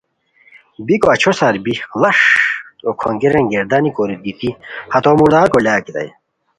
بیکو اچھاسار بی ڑاݰ تو کھونگیرین گردانی کوری دیتی ہتو مُردار کوری لاکیتائے